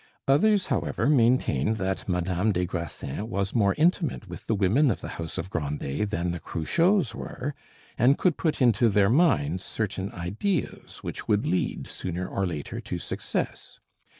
Others, however, maintained that Madame des Grassins was more intimate with the women of the house of Grandet than the Cruchots were, and could put into their minds certain ideas which would lead, sooner or later, to success.